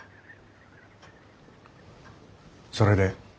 それで？